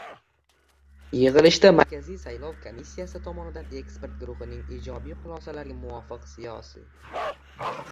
Yig‘ilishda Markaziy saylov komissiyasi tomonidan Ekspert guruhining ijobiy xulosalariga muvofiq “Siyosi